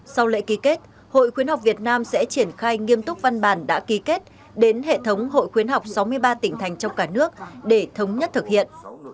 sau lễ ký kết hội khuyến học việt nam sẽ triển khai nghiêm túc văn bản đã ký kết đến hệ thống hội khuyến học sáu mươi ba tỉnh thành trong cả nước để thống nhất thực hiện